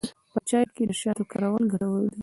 په چای کې د شاتو کارول ګټور دي.